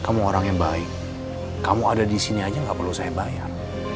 kamu orang yang baik kamu ada disini aja nggak perlu saya bayar